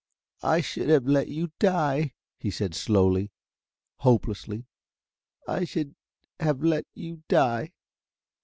"I should have let you die," he said slowly, hopelessly. "I should have let you die.